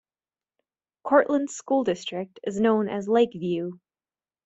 Cortland's school district is known as Lakeview.